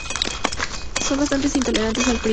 Son bastante intolerantes al frío.